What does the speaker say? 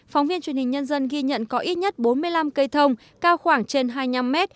phóng viên truyền hình nhân dân ghi nhận có ít nhất bốn mươi năm cây thông cao khoảng trên hai mươi năm m